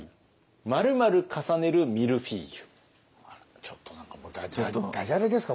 あらちょっと何かもうダジャレですか？